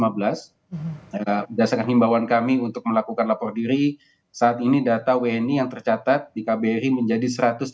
berdasarkan himbawan kami untuk melakukan lapor diri saat ini data wni yang tercatat di kbri menjadi satu ratus tiga puluh